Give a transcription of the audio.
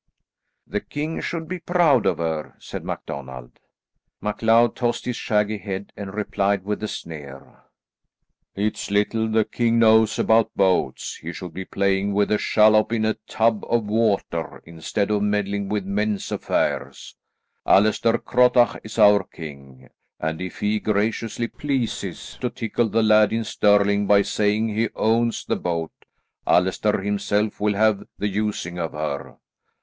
"The king should be proud of her," said MacDonald. MacLeod tossed his shaggy head and replied with a sneer, "It's little the king knows about boats. He should be playing with a shallop in a tub of water, instead of meddling with men's affairs. Allaster Crottach is our king, and if he graciously pleases to tickle the lad in Stirling by saying he owns the boat, Allaster himself will have the using of her.